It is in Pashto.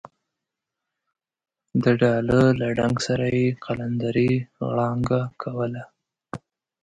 د ډاله له ډنګ سره یې قلندرې غړانګه کوله.